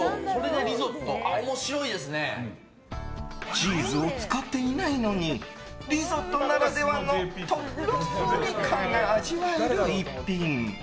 チーズを使っていないのにリゾットならではのとろり感が味わえる逸品。